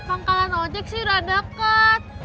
pangkalan ojek sih udah dapat